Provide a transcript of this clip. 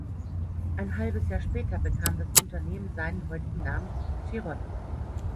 Ein halbes Jahr später bekam das Unternehmen seinen heutigen Namen "Chiron".